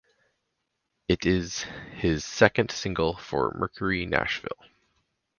It is his second single for Mercury Nashville.